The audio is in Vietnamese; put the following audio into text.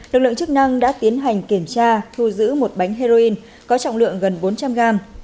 lực lượng chức năng đã tiến hành kiểm tra thu giữ một bánh heroin có trọng lượng gần bốn trăm linh gram